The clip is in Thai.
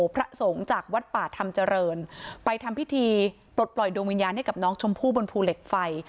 พระสงฆ์จากวัดป่าธรรมเจริญไปทำพิธีปลดปล่อยดวงวิญญาณให้กับน้องชมพู่บนภูเหล็กไฟ